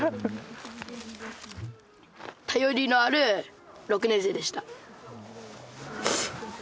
頼りのある６年生でした。